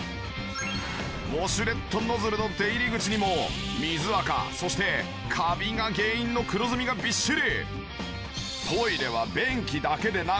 ウォシュレットノズルの出入り口にも水あかそしてカビが原因の黒ずみがびっしり！